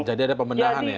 jadi ada pemenahan ya